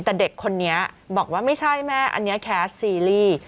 แต่เด็กคนนี้บอกว่าไม่ใช่แม่อันนี้แคสซีรีส์